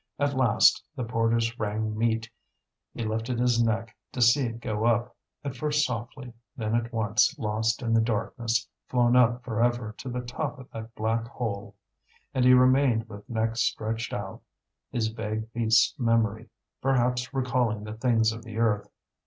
At last the porters rang meat; he lifted his neck to see it go up, at first softly, then at once lost in the darkness, flown up for ever to the top of that black hole. And he remained with neck stretched out, his vague beast's memory perhaps recalling the things of the earth.